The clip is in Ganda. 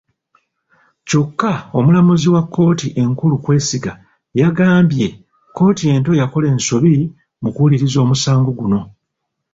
Kyokka omulamuzi wa kkooti enkulu Kwesiga yagambye kkooti ento yakola ensobi mu kuwuliriza omusango guno.